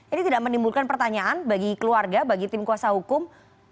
ini tidak menimbulkan pertanyaan bagi keluarga bagi tim kuasa hukum